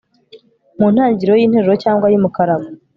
mu ntangiriro y'interuro cyangwa y'umukarago